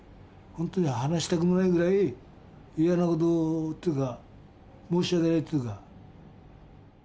ほんとに話したくもないぐらい嫌なことっていうか申し訳ないっていうか。